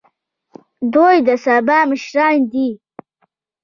دوی د سبا مشران دي